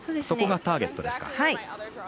そこがターゲットですか。